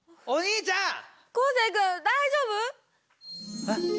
お兄ちゃん！